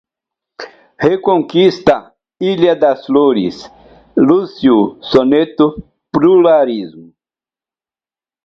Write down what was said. galaico-português, Bética, flexiva, Reconquista, ilha das Flores, Lácio, soneto, pluralismo